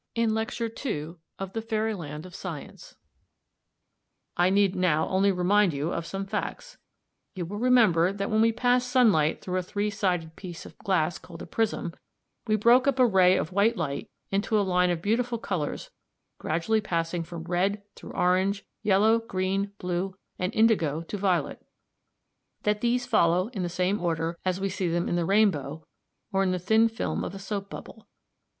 I need now only remind you of some of the facts. You will remember that when we passed sunlight through a three sided piece of glass called a prism, we broke up a ray of white light into a line of beautiful colours gradually passing from red, through orange, yellow, green, blue, and indigo, to violet, and that these follow in the same order as we see them in the rainbow or in the thin film of a soap bubble.